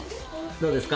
どうですか？